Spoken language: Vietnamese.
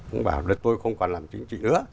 ông bảo là tôi không còn làm chính trị nữa